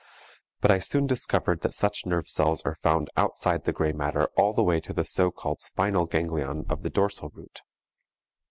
But I soon discovered that such nerve cells are found outside the grey matter all the way to the so called spinal ganglion of the dorsal root.